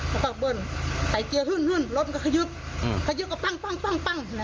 มันก็เบิ้ลใส่เจียร์หึ้นหึ้นรถมันก็ขยึกขยึกก็ปั้งปั้งปั้งปั้ง